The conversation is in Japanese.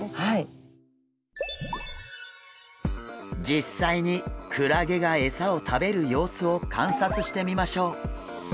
実際にクラゲがエサを食べる様子を観察してみましょう。